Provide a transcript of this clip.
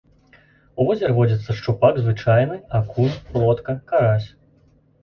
У возеры водзяцца шчупак звычайны, акунь, плотка, карась.